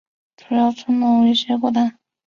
主要村落为斜古丹。